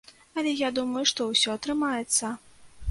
Але я думаю, што ўсё атрымаецца.